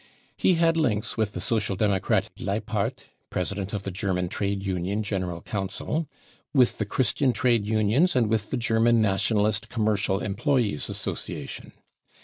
He had links with the Social Democrat Leipart, president of the German Trade Union General |j Council, with the Christian Trade Unions and with the German Nationalist Commercial Employees Association.